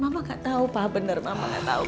mama gak tau pa bener mama gak tau pa